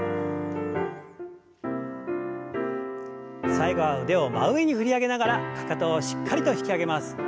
最後は腕を真上に振り上げながらかかとをしっかりと引き上げます。